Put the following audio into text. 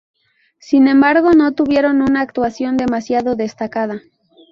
Sin embargo, no tuvieron una actuación demasiado destacada.